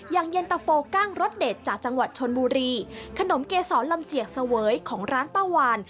เย็นตะโฟกั้งรสเด็ดจากจังหวัดชนบุรีขนมเกษรลำเจียกเสวยของร้านป้าวาน